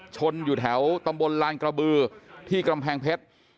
ชนอยู่แถวตำบลลานกระบือที่กำแพงเพชร